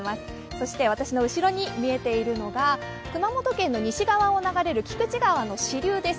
そして私の後ろに見えているのが熊本県の西側を走る菊池川の支流です。